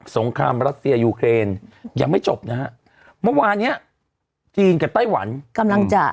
งครามรัสเซียยูเครนยังไม่จบนะฮะเมื่อวานเนี้ยจีนกับไต้หวันกำลังจะ